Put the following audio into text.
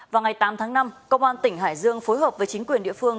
vào ngày tám tháng năm công an tỉnh hải dương phối hợp với chính quyền địa phương